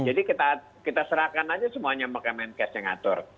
jadi kita serahkan saja semuanya ke kemenkes yang ngatur